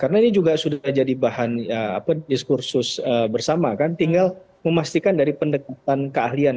karena ini juga sudah jadi bahan diskursus bersama kan tinggal memastikan dari pendekatan keahlian